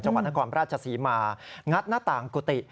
จังหวัดนครราชศรีมางัดหน้าต่างกุฏิ